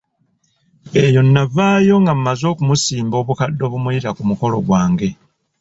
Eyo navaayo nga mmaze okumusimba obubaka obumuyita ku mukolo gwange.